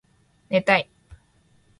寝たい